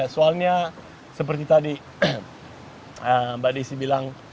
soalnya seperti tadi mbak desi bilang